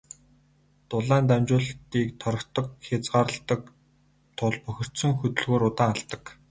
Дулаан дамжуулалтыг тортог хязгаарладаг тул бохирдсон хөдөлгүүр удаан халдаг.